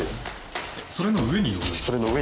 それの上に乗る？